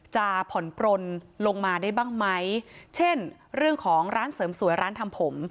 จะผ่อนปลนลงมาได้บ้างไหมเช่นเรื่องของร้านเสริมสวยร้านทำผม